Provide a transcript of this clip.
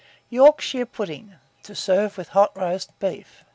YORKSHIRE PUDDING, to serve with hot Roast Beef.